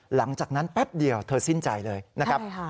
หลังจากนั้นแป๊บเดียวเธอสิ้นใจเลยนะครับ